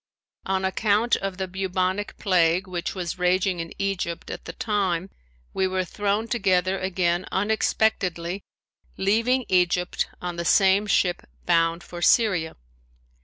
On account of the bubonic plague which was raging in Egypt at the time we were thrown together again unexpectedly, leaving Egypt on the same ship bound for Syria.